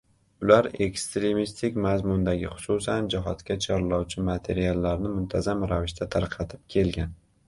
Ular ekstremistik mazmundagi, xususan, jihodga chorlovchi materiallarni muntazam ravishda tarqatib kelgan